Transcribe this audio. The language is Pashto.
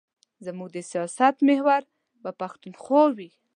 زموږ د سیاست محور به پښتونخوا وي.